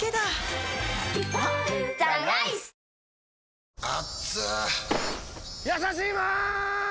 「ビオレ」やさしいマーン！！